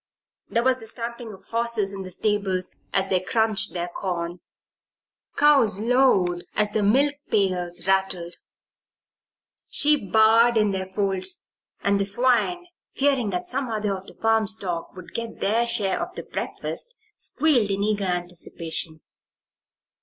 There was the stamping of horses in the stables as they crunched their corn; cows lowed as the milk pails rattled; sheep baa a ed in their folds, and the swine, fearing that some other of the farm stock would get their share of the breakfast, squealed in eager anticipation.